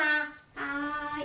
はい。